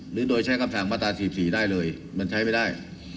หรือโดยใช้คำสั่งมาตรา๔๔ได้เลยมันใช้ไม่ได้